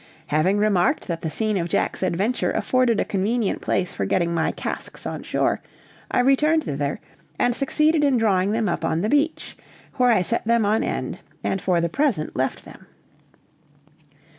Having remarked that the scene of Jack's adventure afforded a convenient place for getting my casks on shore, I returned thither and succeeded in drawing them up on the beach, where I set them on end, and for the present left them.